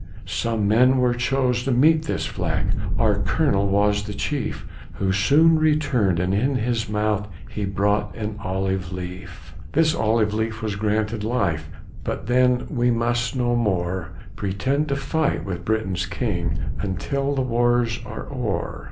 Some men were chose to meet this flag, Our colonel was the chief, Who soon returned and in his mouth He brought an olive leaf. This olive leaf was granted life, But then we must no more Pretend to fight with Britain's king, Until the wars are o'er.